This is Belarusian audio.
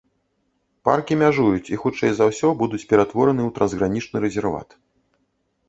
Паркі мяжуюць і хутчэй за ўсё будуць ператвораны ў трансгранічны рэзерват.